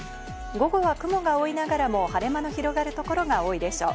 午後は雲が多いながらも晴れ間の広がる所が多いでしょう。